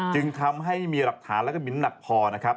จึงทำให้มีหลักฐานแล้วก็มิ้นหนักพอนะครับ